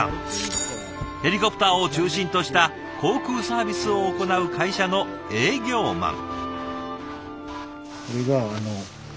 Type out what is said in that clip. ヘリコプターを中心とした航空サービスを行う会社の営業マン。